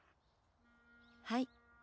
はい。